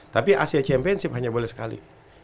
tapi asia championship hanya boleh sekali